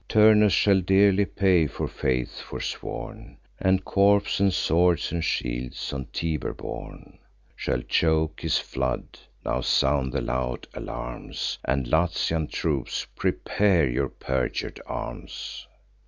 Turnus shall dearly pay for faith forsworn; And corps, and swords, and shields, on Tiber borne, Shall choke his flood: now sound the loud alarms; And, Latian troops, prepare your perjur'd arms."